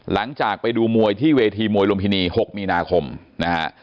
หลังจากไปดูมวยที่เวทีมวยลุมพินี๖มีนาคมนะฮะ